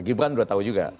gibran sudah tahu juga